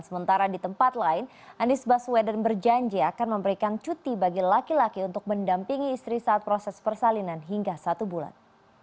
sementara di tempat lain anies baswedan berjanji akan memberikan cuti bagi laki laki untuk mendampingi istri saat proses persalinan hingga satu bulan